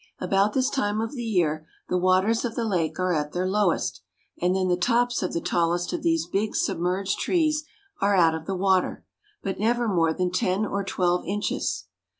About this time of the year the waters of the lake are at their lowest, and then the tops of the tallest of these big submerged trees are out of the water, but never more than ten or twelve inches.